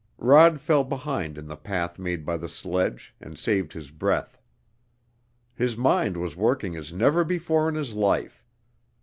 Rod fell behind in the path made by the sledge, and saved his breath. His mind was working as never before in his life.